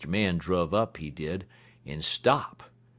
Man druv up, he did, en stop.